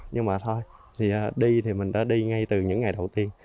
nhưng mà thôi thì đi thì mình đã đi ngay từ những ngày đầu tiên